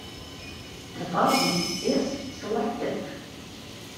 The following is selective.